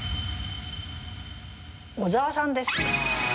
小沢さんです。